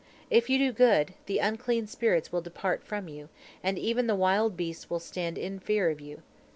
If you do good, the unclean spirits will depart from you, and even the wild beasts will stand in fear of you.